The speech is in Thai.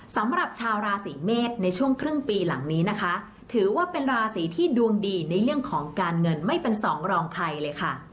สำหรับชาวราศีเมษในช่วงครึ่งปีหลังนี้นะคะถือว่าเป็นราศีที่ดวงดีในเรื่องของการเงินไม่เป็นสองรองใครเลยค่ะ